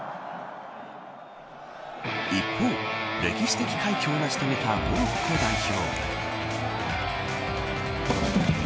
一方、歴史的快挙を成し遂げたモロッコ代表。